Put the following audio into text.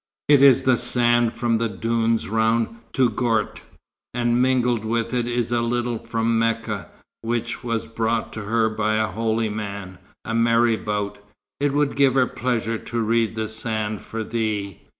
It is sand from the dunes round Touggourt; and mingled with it is a little from Mecca, which was brought to her by a holy man, a marabout. It would give her pleasure to read the sand for thee."